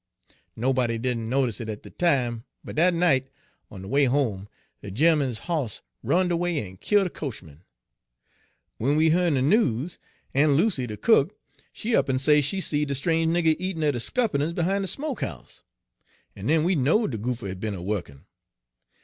Nobody didn' notice it at de time, but dat night, on de way home, de gemman's hoss runned away en kill' de coachman. W'en we hearn de noos, Aun' Lucy, de cook, she up'n say she seed de strange nigger eat'n' er de scuppernon's behine de smoke house; en den we knowed de goopher had b'en er wukkin'.